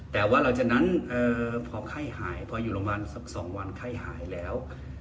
แต่ว่าหลังจากนั้นพอไข้หายพออยู่โรงพยาบาลสัก๒วันไข้หายแล้ว